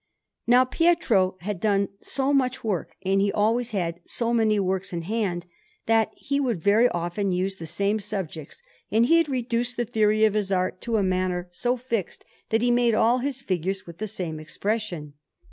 Now Pietro had done so much work, and he always had so many works in hand, that he would very often use the same subjects; and he had reduced the theory of his art to a manner so fixed, that he made all his figures with the same expression.